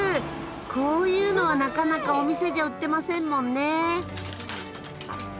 こういうのはなかなかお店じゃ売ってませんもんね。